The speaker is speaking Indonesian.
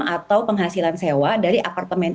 atau penghasilan sewa dari apartemen